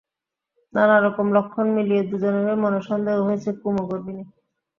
নানারকম লক্ষণ মিলিয়ে দুজনেরই মনে সন্দেহ হয়েছে কুমু গর্ভিণী।